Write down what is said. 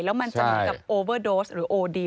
แล้วมันจะเหมือนกับโอเวอร์โดสหรือโอดี